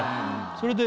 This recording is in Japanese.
それで。